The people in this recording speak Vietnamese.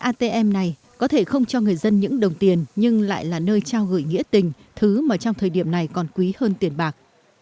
atm này có thể không cho người dân những đồng tiền nhưng lại là nơi trao gửi nghĩa tình thứ mà trong thời điểm này còn quý hơn tiền bạc